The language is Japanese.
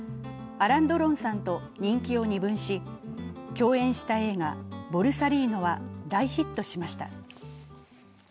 アラン・ドロンさんと人気を二分し共演した映画「ボルサリーノ」は大ヒットしました。